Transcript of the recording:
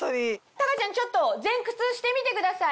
貴ちゃんちょっと前屈してみてください。